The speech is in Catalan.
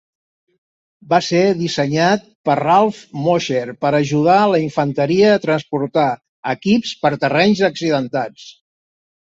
Va ser dissenyat per Ralph Mosher per ajudar la infanteria a transportar equips per terrenys accidentats.